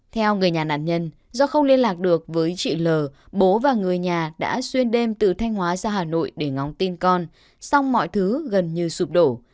theo người nhà nạn nhân do không liên lạc được với chị l bố và người nhà đã xuyên đêm từ thanh hóa ra hà nội để ngóng tin con song mọi thứ gần như sụp đổ